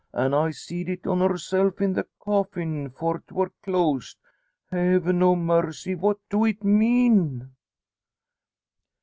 An' I seed it on herself in the coffin 'fore't wor closed. Heaven o' mercy! what do it mean?"